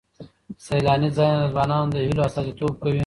سیلاني ځایونه د ځوانانو د هیلو استازیتوب کوي.